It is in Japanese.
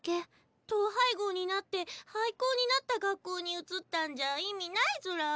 統廃合になって廃校になった学校に移ったんじゃ意味ないずら。